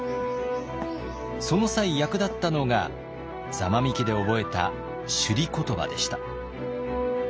その際役立ったのが座間味家で覚えた首里言葉でした。